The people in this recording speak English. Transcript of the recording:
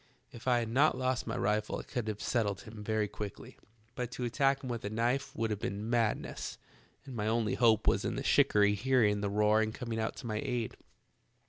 If I had not lost my rifle I could have settled him very quickly, but to attack him with a knife would have been madness, and my only hope was in the shikarry hearing the roar and coming to my aid.